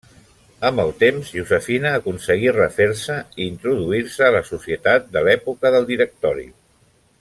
Amb el temps, Josefina aconseguí refer-se i introduir-se a la societat de l'època del Directori.